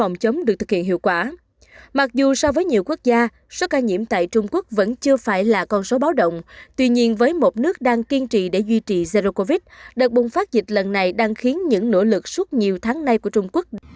giảm tới sáu ca nếu so với ngày số ca đạt đỉnh mùng tám tháng ba